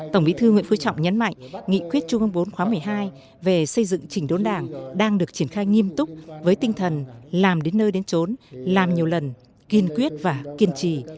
tổng bí thư nguyễn phú trọng nhấn mạnh nghị quyết trung ương bốn khóa một mươi hai về xây dựng chỉnh đốn đảng đang được triển khai nghiêm túc với tinh thần làm đến nơi đến trốn làm nhiều lần kiên quyết và kiên trì